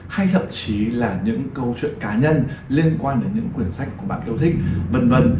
hay thậm chí là những câu chuyện cá nhân liên quan đến những quyển sách của bạn yêu thích v v